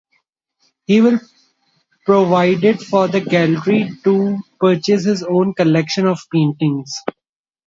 His will provided for the Gallery to purchase his own collection of paintings.